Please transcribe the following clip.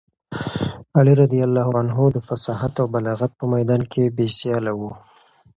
علي رض د فصاحت او بلاغت په میدان کې بې سیاله و.